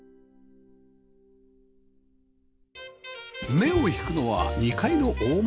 目を引くのは２階の大窓